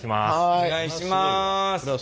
お願いします。